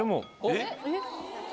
えっ？